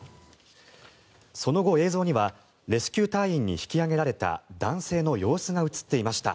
その後、映像にはレスキュー隊に引き上げられた男性の様子が映っていました。